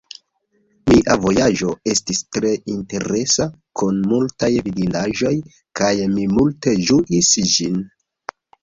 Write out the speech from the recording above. Mia vojaĝo estis tre interesa kun multaj vidindaĵoj, kaj mi multe ĝuis ĝin.